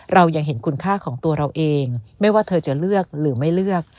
เรายังเห็นคุณค่าของตัวเราเองไม่ว่าเธอจะเลือกหรือไม่เลือก